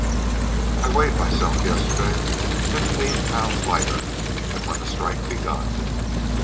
I weighed myself yesterday. Fifteen pounds lighter than when the strike begun.